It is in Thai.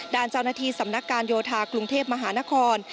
ด้านเจ้าหน้าที่สำนักการโยธากรุงเทพมหานคร